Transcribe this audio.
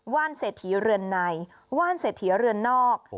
ว่านเศรษฐีเรือนในว่านเศรษฐีเรือนนอก